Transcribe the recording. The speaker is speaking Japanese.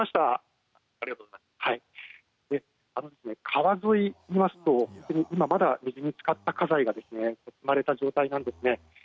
川沿いを見ますと水につかった家財がまだある状態なんですね。